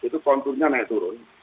itu konturnya naik turun